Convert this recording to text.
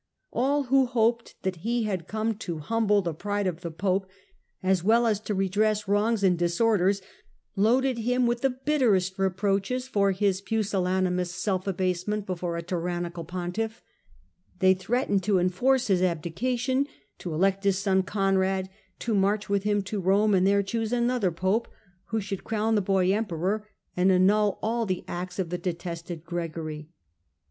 All who hoped that he had come to humble the pride of the pope as well as to redress wrongs and disorders, loaded him with the bitterest reproaches for his pusillanimous self abasement before a tyrannical pontiff; they threatened to enforce his abdication, to elect his son Conrad, to march with him to Rome, and there choose another pope who should crown the boy emperor, and annul all the acts of the detested Gregory.